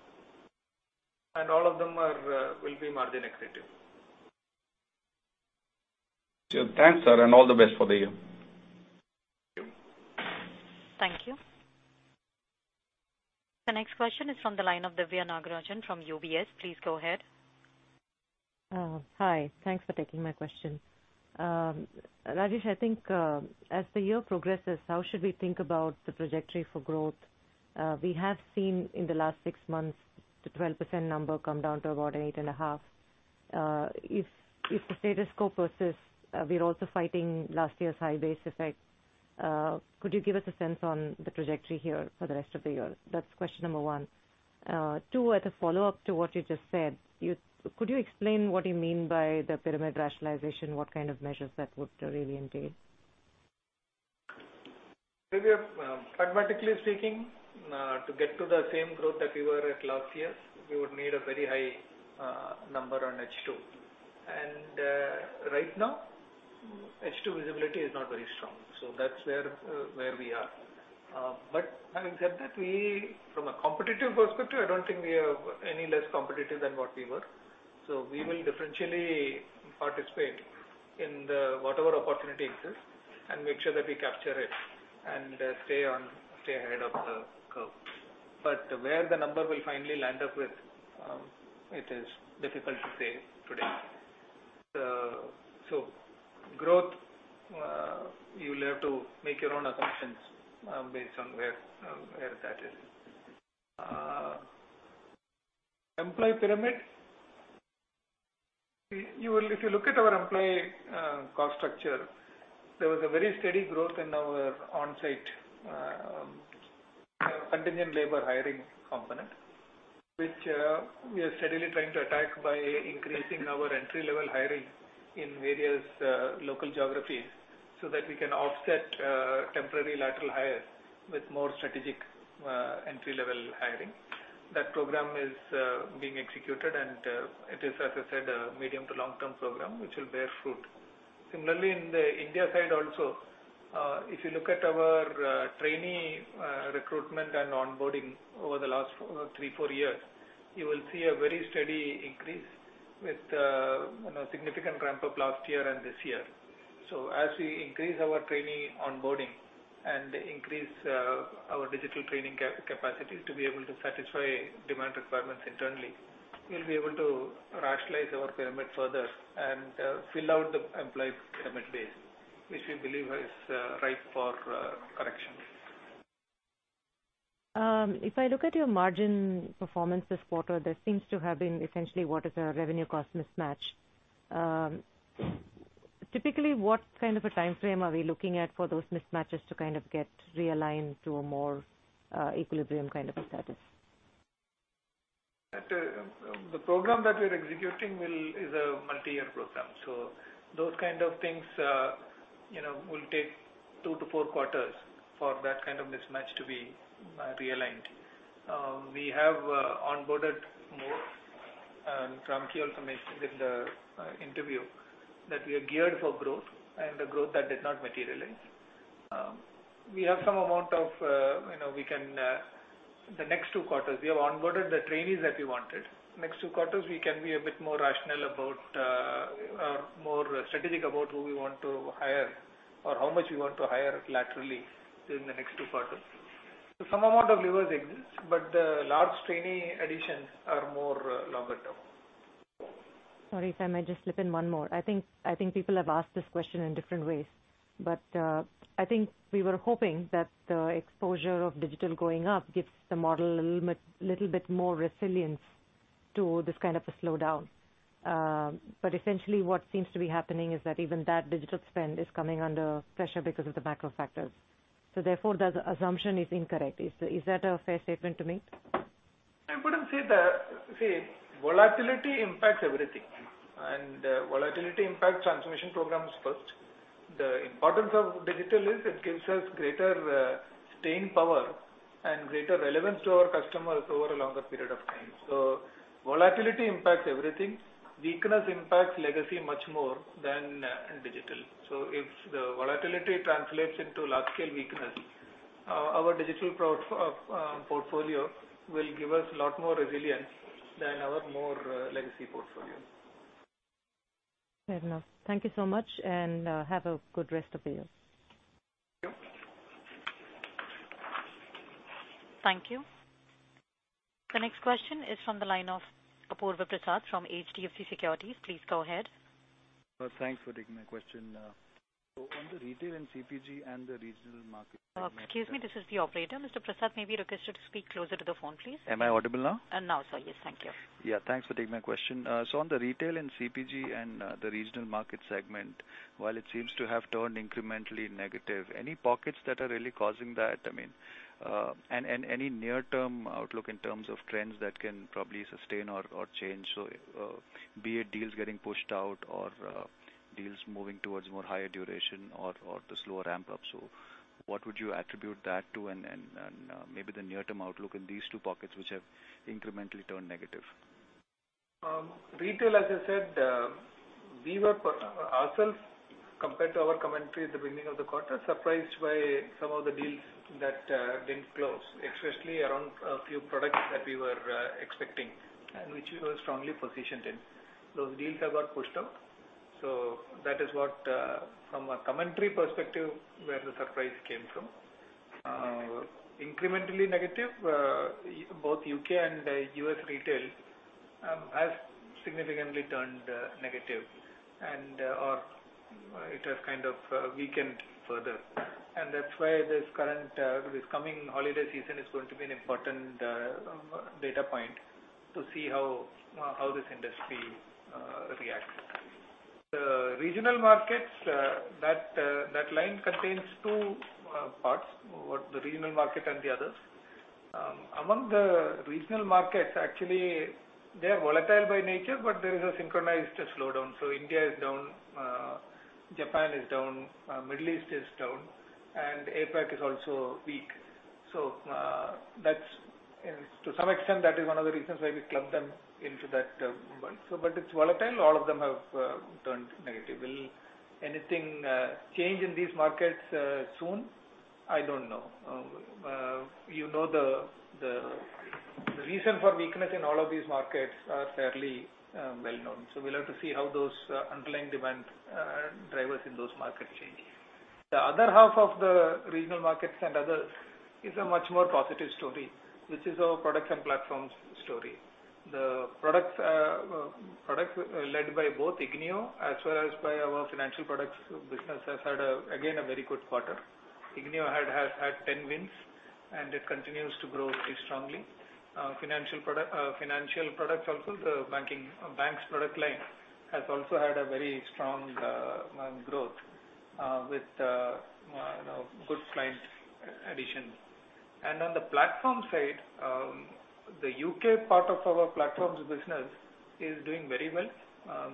All of them will be margin accretive. Thanks, sir. All the best for the year. Thank you. Thank you. The next question is from the line of Divya Nagarajan from UBS. Please go ahead. Hi. Thanks for taking my question. Rajesh, I think as the year progresses, how should we think about the trajectory for growth? We have seen in the last six months, the 12% number come down to about 8.5%. If the status quo persists, we're also fighting last year's high base effect. Could you give us a sense on the trajectory here for the rest of the year? That's question number one. Two, as a follow-up to what you just said, could you explain what you mean by the pyramid rationalization? What kind of measures that would really entail? Divya, pragmatically speaking, to get to the same growth that we were at last year, we would need a very high number on H2. Right now, H2 visibility is not very strong. That's where we are. Having said that, from a competitive perspective, I don't think we are any less competitive than what we were. We will differentially participate in whatever opportunity exists and make sure that we capture it and stay ahead of the curve. Where the number will finally land up with, it is difficult to say today. Growth, you'll have to make your own assumptions based on where that is. Employee pyramid, if you look at our employee cost structure, there was a very steady growth in our onsite contingent labor hiring component, which we are steadily trying to attack by increasing our entry-level hiring in various local geographies so that we can offset temporary lateral hires with more strategic entry-level hiring. That program is being executed and it is, as I said, a medium to long-term program which will bear fruit. Similarly, in the India side also, if you look at our trainee recruitment and onboarding over the last three, four years, you will see a very steady increase with a significant ramp-up last year and this year. As we increase our trainee onboarding and increase our digital training capacity to be able to satisfy demand requirements internally, we'll be able to rationalize our pyramid further and fill out the employee pyramid base, which we believe is ripe for correction. If I look at your margin performance this quarter, there seems to have been essentially what is a revenue cost mismatch. Typically, what kind of a timeframe are we looking at for those mismatches to kind of get realigned to a more equilibrium kind of a status? The program that we're executing is a multi-year program. Those kind of things will take 2 to 4 quarters for that kind of mismatch to be realigned. We have onboarded more. Ramki also mentioned in the interview that we are geared for growth and the growth that did not materialize. The next 2 quarters, we have onboarded the trainees that we wanted. Next 2 quarters, we can be a bit more rational about or more strategic about who we want to hire or how much we want to hire laterally during the next 2 quarters. Some amount of levers exists, but the large trainee additions are more longer term. Sorry, if I may just slip in one more. I think people have asked this question in different ways, but, I think we were hoping that the exposure of digital going up gives the model a little bit more resilience to this kind of a slowdown. Essentially what seems to be happening is that even that digital spend is coming under pressure because of the macro factors. Therefore, the assumption is incorrect. Is that a fair statement to make? I wouldn't say that. Volatility impacts everything, and volatility impacts transformation programs first. The importance of digital is it gives us greater staying power and greater relevance to our customers over a longer period of time. Volatility impacts everything. Weakness impacts legacy much more than digital. If the volatility translates into large-scale weakness, our digital portfolio will give us a lot more resilience than our more legacy portfolio. Fair enough. Thank you so much, and have a good rest of the year. Thank you. Thank you. The next question is from the line of Apurva Prasad from HDFC Securities. Please go ahead. Thanks for taking my question. On the retail and CPG and the regional market. Excuse me. This is the operator. Mr. Prasad, may we request you to speak closer to the phone, please? Am I audible now? Now, sir. Yes, thank you. Yeah, thanks for taking my question. On the retail and CPG and the regional market segment, while it seems to have turned incrementally negative, any pockets that are really causing that? Any near-term outlook in terms of trends that can probably sustain or change? What would you attribute that to? Maybe the near-term outlook in these two pockets, which have incrementally turned negative. Retail, as I said, we were ourselves, compared to our commentary at the beginning of the quarter, surprised by some of the deals that didn't close, especially around a few products that we were expecting, and which we were strongly positioned in. Those deals have got pushed out. That is what from a commentary perspective where the surprise came from. Incrementally negative, both U.K. and U.S. retail have significantly turned negative and/or it has weakened further. That's why this coming holiday season is going to be an important data point to see how this industry reacts. The regional markets, that line contains two parts, the regional market and the others. Among the regional markets, actually, they are volatile by nature, but there is a synchronized slowdown. India is down, Japan is down, Middle East is down, and APAC is also weak. To some extent, that is one of the reasons why we clubbed them into that. It's volatile. All of them have turned negative. Will anything change in these markets soon? I don't know. You know the reason for weakness in all of these markets are fairly well known. We'll have to see how those underlying demand drivers in those markets change. The other half of the regional markets and others is a much more positive story, which is our products and platforms story. The products led by both Ignio as well as by our financial products business has had, again, a very good quarter. Ignio had 10 wins, and it continues to grow very strongly. Financial products also, the banks product line has also had a very strong growth with good client addition. On the platform side, the U.K. part of our platforms business is doing very well,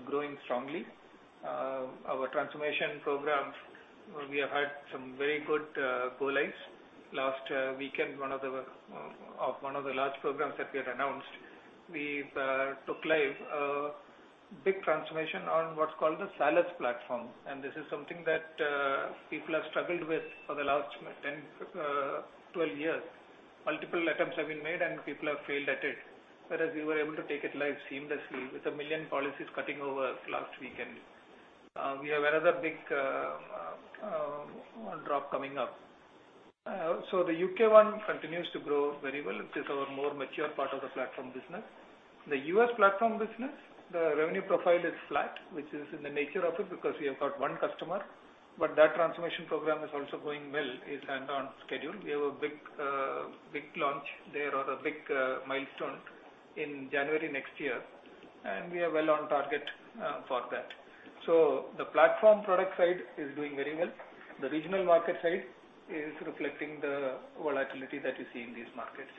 growing strongly. Our transformation programs, we have had some very good go lives. Last weekend, one of the large programs that we had announced, we took live a big transformation on what's called the Salus platform. This is something that people have struggled with for the last 12 years. Multiple attempts have been made, and people have failed at it. Whereas we were able to take it live seamlessly with 1 million policies cutting over last weekend. We have another big drop coming up. The U.K. one continues to grow very well. It is our more mature part of the platform business. The U.S. platform business, the revenue profile is flat, which is in the nature of it because we have got one customer, but that transformation program is also going well. It's on schedule. We have a big launch there or a big milestone in January next year, and we are well on target for that. The platform product side is doing very well. The regional market side is reflecting the volatility that we see in these markets.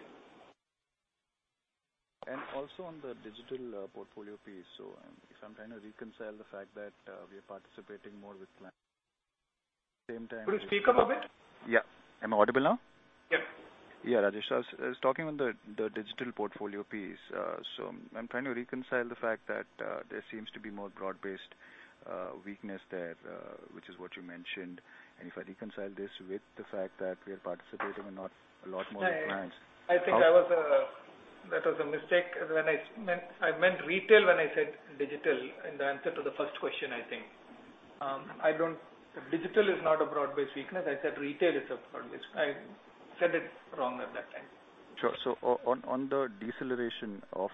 Also on the digital portfolio piece. If I'm trying to reconcile the fact that we are participating more with clients, same time. Could you speak up a bit? Yeah. Am I audible now? Yep. Yeah, Rajesh. I was talking on the digital portfolio piece. I'm trying to reconcile the fact that there seems to be more broad-based weakness there, which is what you mentioned. If I reconcile this with the fact that we are participating a lot more with clients. I think that was a mistake. I meant retail when I said digital in the answer to the first question, I think. Digital is not a broad-based weakness. I said retail is a broad-based. I said it wrong at that time. Sure. On the deceleration of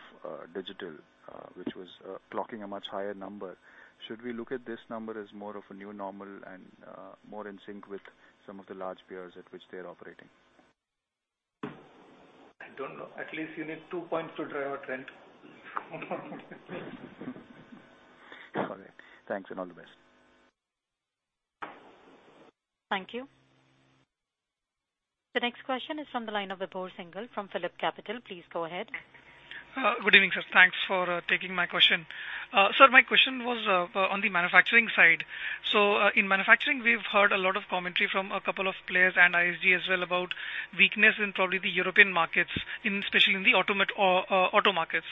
digital which was clocking a much higher number, should we look at this number as more of a new normal and more in sync with some of the large peers at which they're operating? I don't know. At least you need two points to drive a trend. Got it. Thanks. All the best. Thank you. The next question is from the line of Vibhor Singhal from PhillipCapital. Please go ahead. Good evening, sir. Thanks for taking my question. Sir, my question was on the manufacturing side. In manufacturing, we've heard a lot of commentary from a couple of players and ISG as well about weakness in probably the European markets, especially in the auto markets.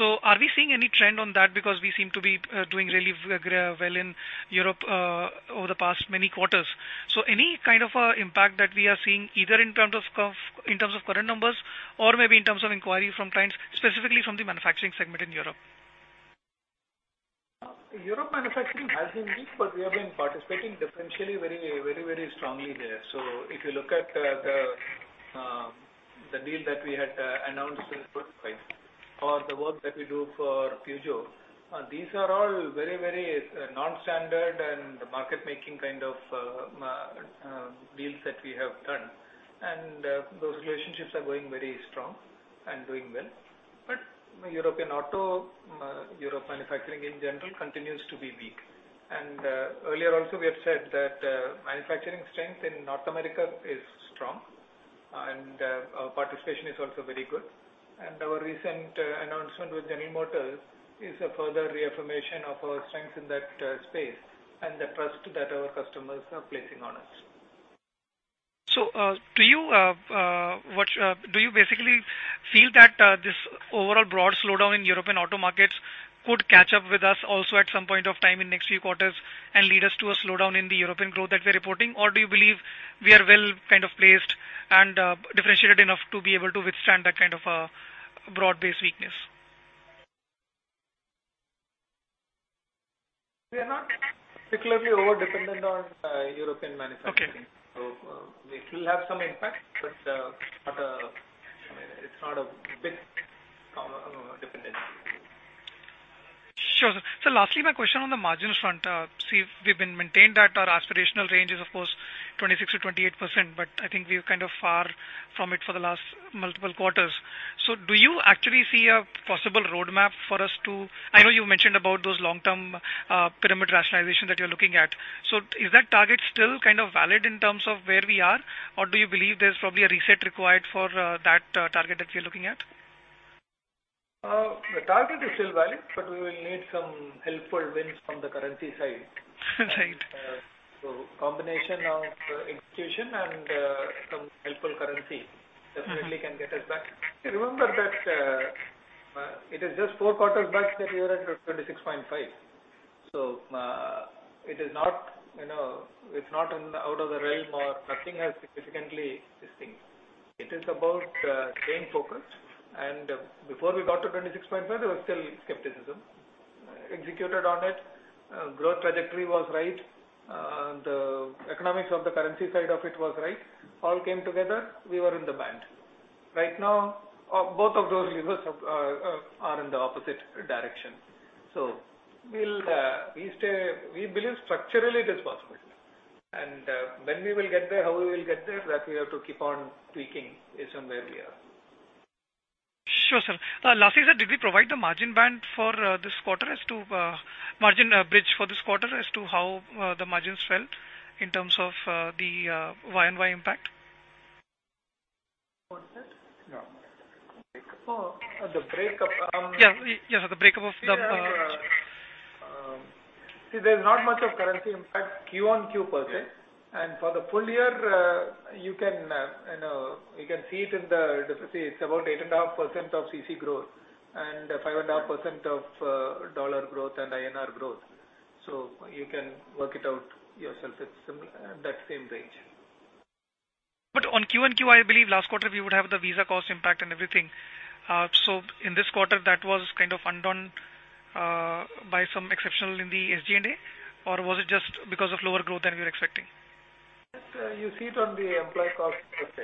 Are we seeing any trend on that? Because we seem to be doing really well in Europe over the past many quarters. Any kind of impact that we are seeing either in terms of current numbers or maybe in terms of inquiry from clients, specifically from the manufacturing segment in Europe? Europe manufacturing has been weak, but we have been participating differentially very strongly there. If you look at the deal that we had announced in or the work that we do for Peugeot, these are all very non-standard and market-making kind of deals that we have done. Those relationships are going very strong and doing well. European auto, Europe manufacturing in general, continues to be weak. Earlier also, we have said that manufacturing strength in North America is strong. Our participation is also very good. Our recent announcement with General Motors is a further reaffirmation of our strengths in that space and the trust that our customers are placing on us. Do you basically feel that this overall broad slowdown in European auto markets could catch up with us also at some point of time in next few quarters and lead us to a slowdown in the European growth that we're reporting? Or do you believe we are well placed and differentiated enough to be able to withstand that kind of a broad-based weakness? We are not particularly over-dependent on European manufacturing. Okay. It will have some impact, but it's not a big dependency. Sure, sir. Lastly, my question on the margin front. We've been maintained that our aspirational range is, of course, 26%-28%, but I think we're kind of far from it for the last multiple quarters. Do you actually see a possible roadmap for us to, I know you mentioned about those long-term pyramid rationalization that you're looking at. Is that target still valid in terms of where we are? Or do you believe there's probably a reset required for that target that we're looking at? The target is still valid, but we will need some helpful wins from the currency side. Right. Combination of execution and some helpful currency definitely can get us back. Remember that it is just four quarters back that we were at 26.5. It's not out of the realm or nothing has significantly distinct. It is about staying focused. Before we got to 26.5, there was still skepticism. Executed on it, growth trajectory was right. The economics of the currency side of it was right. All came together, we were in the band. Right now, both of those levers are in the opposite direction. We believe structurally it is possible. When we will get there, how we will get there, that we have to keep on tweaking it somewhere here. Sure, sir. Lastly, sir, did we provide the margin band for this quarter as to margin bridge for this quarter as to how the margins felt in terms of the Y on Y impact? What's that? Yeah. Oh, the break-up. Yes, sir. The break-up of the- See, there's not much of currency impact Q on Q, per se. For the full year, you can see it's about 8.5% of CC growth and 5.5% of dollar growth and INR growth. You can work it out yourself. It's that same range. On Q and Q, I believe last quarter we would have the visa cost impact and everything. In this quarter, that was undone by some exceptional in the SG&A? Was it just because of lower growth than we were expecting? You see it on the employee cost per se.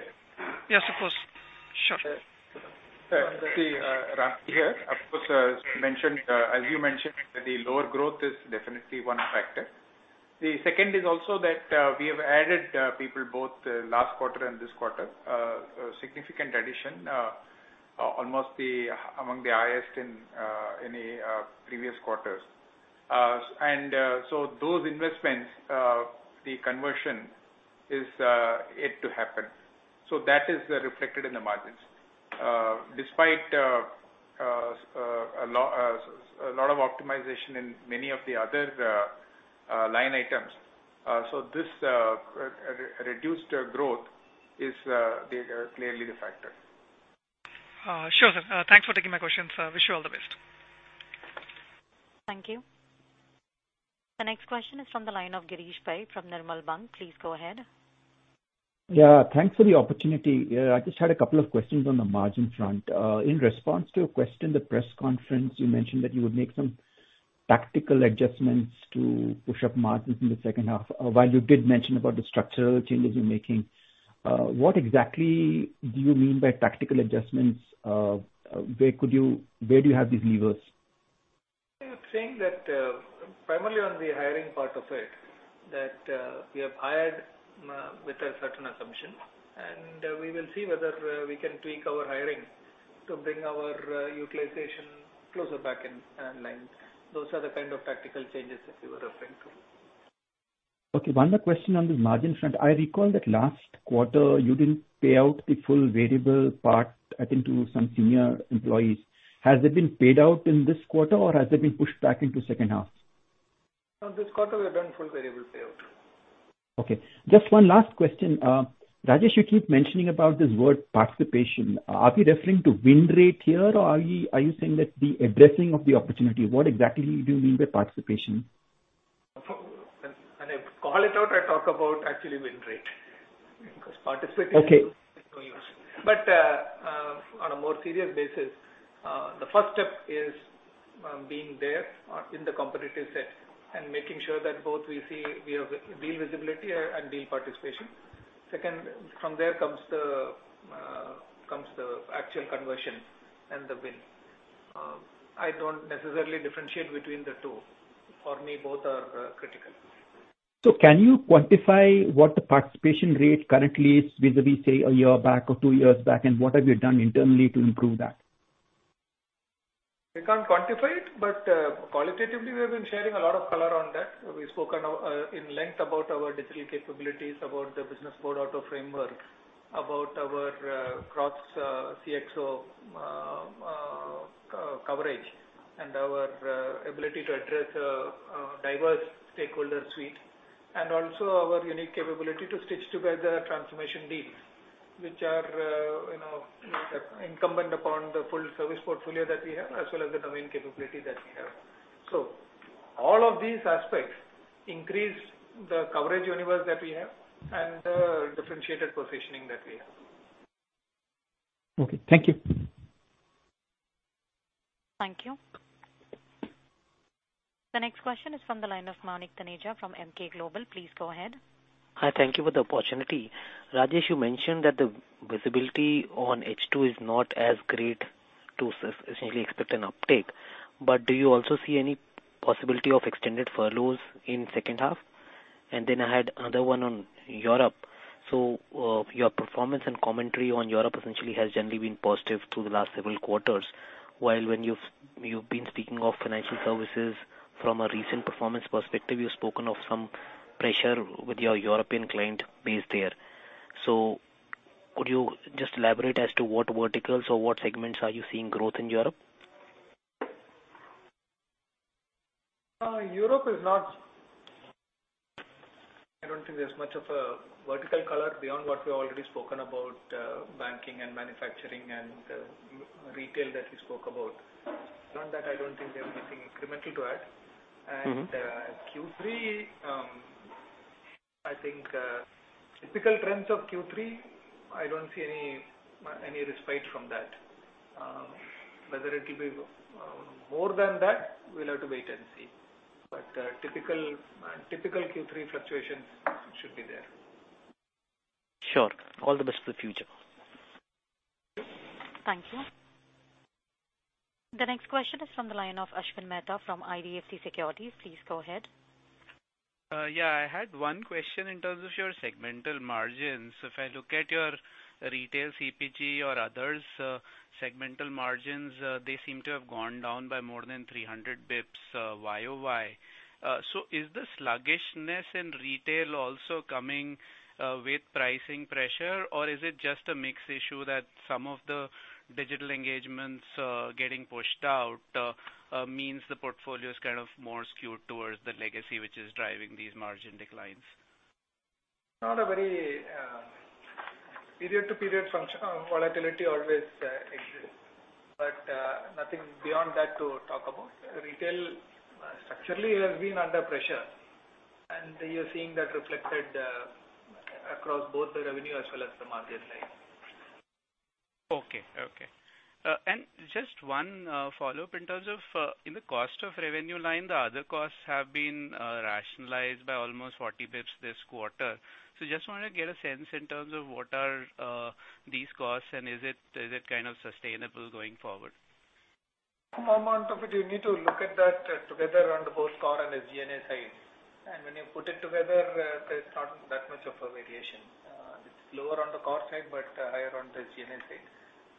Yes, of course. Sure. See, Ram here. Of course, as you mentioned, the lower growth is definitely one factor. The second is also that we have added people both last quarter and this quarter, a significant addition, almost among the highest in any previous quarters. Those investments, the conversion is yet to happen. That is reflected in the margins. Despite a lot of optimization in many of the other line items. This reduced growth is clearly the factor. Sure, sir. Thanks for taking my questions. Wish you all the best. Thank you. The next question is from the line of Girish Pai from Nirmal Bang. Please go ahead. Yeah, thanks for the opportunity. I just had a couple of questions on the margin front. In response to a question in the press conference, you mentioned that you would make some tactical adjustments to push up margins in the second half. While you did mention about the structural changes you're making, what exactly do you mean by tactical adjustments? Where do you have these levers? I'm saying that primarily on the hiring part of it, that we have hired with a certain assumption, and we will see whether we can tweak our hiring to bring our utilization closer back in line. Those are the kind of tactical changes that we were referring to. One more question on the margin front. I recall that last quarter, you didn't pay out the full variable part, I think, to some senior employees. Has it been paid out in this quarter, or has it been pushed back into second half? No, this quarter we have done full variable payout. Okay. Just one last question. Rajesh, you keep mentioning about this word participation. Are we referring to win rate here, or are you saying that the addressing of the opportunity, what exactly do you mean by participation? When I call it out, I talk about actually win rate. Okay is no use. On a more serious basis, the first step is being there in the competitive set and making sure that both we see we have deal visibility and deal participation. Second, from there comes the actual conversion and the win. I don't necessarily differentiate between the two. For me, both are critical. Can you quantify what the participation rate currently is vis-a-vis, say, a year back or two years back, and what have you done internally to improve that? We can't quantify it, but qualitatively, we have been sharing a lot of color on that. We've spoken in length about our digital capabilities, about the Business 4.0 framework, about our cross CXO coverage, and our ability to address a diverse stakeholder suite, and also our unique capability to stitch together transformation deals, which are incumbent upon the full service portfolio that we have, as well as the domain capability that we have. All of these aspects increase the coverage universe that we have and the differentiated positioning that we have. Okay, thank you. Thank you. The next question is from the line of Manik Taneja from JM Financial. Please go ahead. Hi. Thank you for the opportunity. Rajesh, you mentioned that the visibility on H2 is not as great to essentially expect an uptake. Do you also see any possibility of extended furloughs in second half? I had another one on Europe. Your performance and commentary on Europe essentially has generally been positive through the last several quarters. While when you've been speaking of financial services from a recent performance perspective, you've spoken of some pressure with your European client base there. Could you just elaborate as to what verticals or what segments are you seeing growth in Europe? Europe, I don't think there's much of a vertical color beyond what we've already spoken about banking and manufacturing and retail that we spoke about. It's not that I don't think we have anything incremental to add. Q3, I think typical trends of Q3, I don't see any respite from that. Whether it'll be more than that, we'll have to wait and see. Typical Q3 fluctuations should be there. Sure. All the best for the future. Thank you. The next question is from the line of Ashwin Mehta from IDFC Securities. Please go ahead. Yeah, I had one question in terms of your segmental margins. If I look at your retail CPG or others' segmental margins, they seem to have gone down by more than 300 basis points Y-o-Y. Is the sluggishness in retail also coming with pricing pressure, or is it just a mix issue that some of the digital engagements getting pushed out means the portfolio is more skewed towards the legacy, which is driving these margin declines? Period-to-period volatility always exists. Nothing beyond that to talk about. Retail, structurally, has been under pressure, and you're seeing that reflected across both the revenue as well as the margin line. Okay. Just one follow-up. In the cost of revenue line, the other costs have been rationalized by almost 40 bps this quarter. Just want to get a sense in terms of what are these costs, and is it sustainable going forward? Some amount of it, you need to look at that together on the both core and the G&A side. When you put it together, there's not that much of a variation. It's lower on the core side, but higher on the G&A side.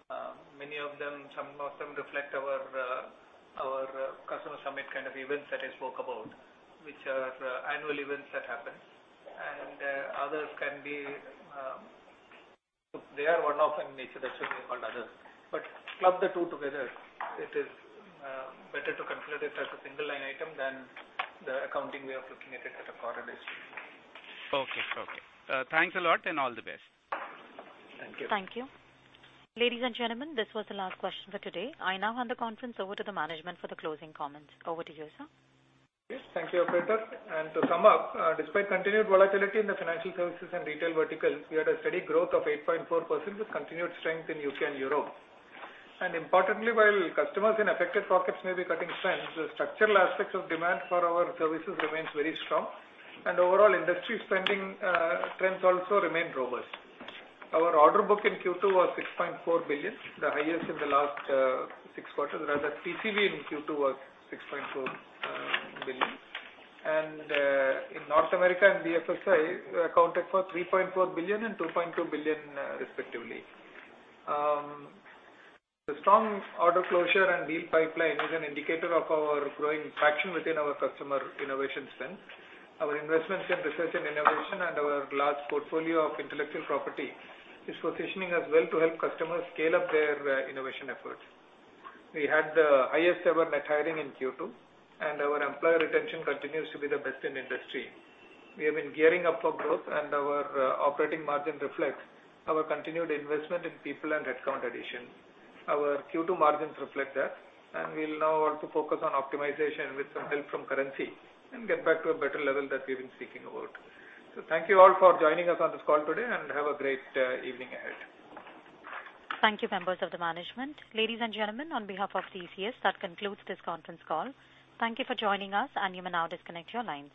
Most of them reflect our customer summit kind of events that I spoke about, which are annual events that happen. Others are one-off in nature. That's why they're called others. Club the two together. It is better to consider it as a single line item than the accounting way of looking at it as a core and a G&A. Okay. Thanks a lot, and all the best. Thank you. Thank you. Ladies and gentlemen, this was the last question for today. I now hand the conference over to the management for the closing comments. Over to you, sir. Yes, thank you, Pratha. To sum up, despite continued volatility in the financial services and retail verticals, we had a steady growth of 8.4% with continued strength in U.K. and Europe. Importantly, while customers in affected pockets may be cutting trends, the structural aspects of demand for our services remains very strong. Overall industry spending trends also remain robust. Our order book in Q2 was $6.4 billion, the highest in the last six quarters. Rather, TCV in Q2 was $6.4 billion. In North America and BFSI, accounted for $3.4 billion and $2.2 billion respectively. The strong order closure and deal pipeline is an indicator of our growing traction within our customer innovation spend. Our investments in research and innovation and our large portfolio of intellectual property is positioning us well to help customers scale up their innovation efforts. We had the highest ever net hiring in Q2, and our employer retention continues to be the best in industry. We have been gearing up for growth and our operating margin reflects our continued investment in people and headcount addition. Our Q2 margins reflect that, and we'll now also focus on optimization with some help from currency and get back to a better level that we've been speaking about. Thank you all for joining us on this call today, and have a great evening ahead. Thank you, members of the management. Ladies and gentlemen, on behalf of TCS, that concludes this conference call. Thank you for joining us and you may now disconnect your lines.